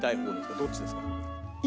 どっちですか？